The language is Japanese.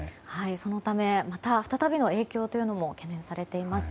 そのため再びの影響というのも懸念されています。